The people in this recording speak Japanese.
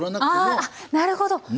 あなるほど。